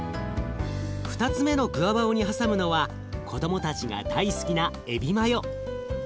２つ目のグアバオに挟むのは子どもたちが大好きなえびマヨ。